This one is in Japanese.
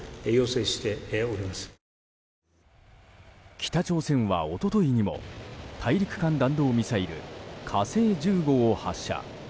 北朝鮮は一昨日にも大陸間弾道ミサイル「火星１５」を発射。